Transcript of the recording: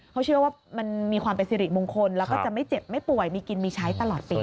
เขาเชื่อว่ามันมีความเป็นสิริมงคลแล้วก็จะไม่เจ็บไม่ป่วยมีกินมีใช้ตลอดปี